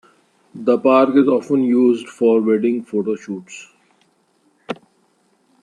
The park is often used for wedding photo shoots.